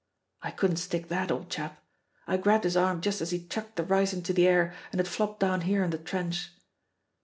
I couldn't stick that, old chap. I grabbed his arm just as he chucked the rice into the air, and it flopped down here in the trench.